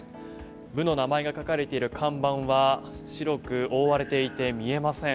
部の名前が書かれている看板は白く覆われていて見えません。